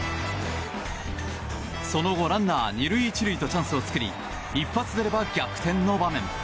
その後、ランナー２塁１塁とチャンスを作り一発出れば逆転の場面。